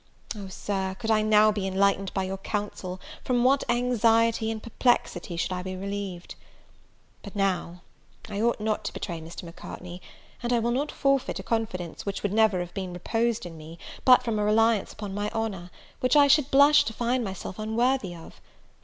Oh, Sir, could I now be enlightened by your counsel, from what anxiety and perplexity should I be relieved! But now, I ought not to betray Mr. Macartney, and I will not forfeit a confidence which would never have been reposed in me, but from a reliance upon my honour, which I should blush to find myself unworthy of.